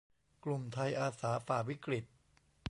กลุ่มไทยอาสา ฝ่าวิกฤต